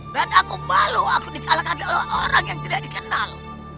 dan aku malu aku di kalangan orang yang tidak dikenal